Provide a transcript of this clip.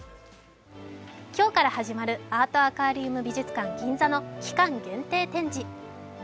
今日から始まるアートアクアリウム美術館ＧＩＮＺＡの期間限定展示。